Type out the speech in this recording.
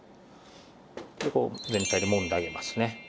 こう全体にもんであげますね。